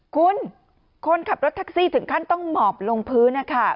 คุณคนขับรถแท็กซี่ถึงขั้นต้องหมอบลงพื้น